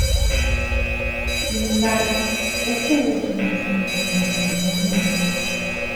Sin embargo, este hecho reduce la eficiencia del tornillo.